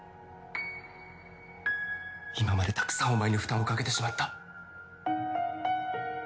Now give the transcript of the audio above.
今までたくさんお前に負担をかけてしまった。